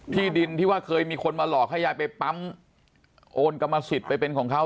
ที่ดินที่ว่าเคยมีคนมาหลอกให้ยายไปปั๊มโอนกรรมสิทธิ์ไปเป็นของเขา